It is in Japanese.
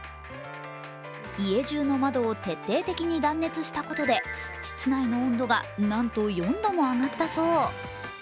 家じゅうの窓を徹底的に断熱したことで、室内の温度が、なんと４度も上がったそう。